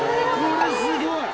これすごい！